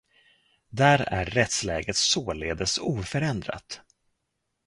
Där är rättsläget således oförändrat.